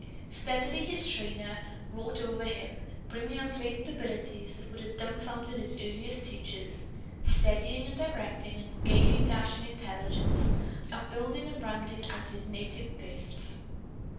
Steadily his trainer wrought over him, bringing out latent abilities that would have dumfounded his earliest teachers, steadying and directing the gayly dashing intelligence; upbuilding and rounding out all his native gifts.